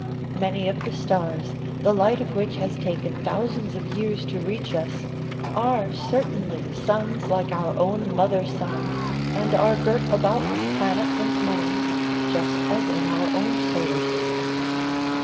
Many of the stars, the light of which has taken thou sands of years to reach us, are certainly suns like our own mother sun, and are girt about with planets and moons, just as in our own solar system.